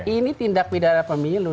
ini tindak pidana pemilu